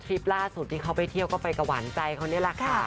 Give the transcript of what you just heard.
คลิปล่าสุดที่เขาไปเที่ยวก็ไปกับหวานใจเขานี่แหละค่ะ